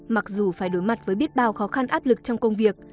mặc dù phải đối mặt với biết bao khó khăn áp lực trong công việc